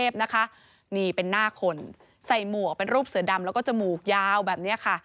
ใส่หมวกเป็นรูปเสือดำแล้วก็จมูกยาวแบบนี้ค่ะ